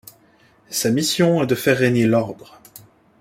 Sa mission est de faire régner l'ordre.